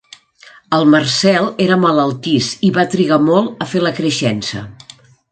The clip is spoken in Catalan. El Marcel era malaltís i va trigar molt a fer la creixença.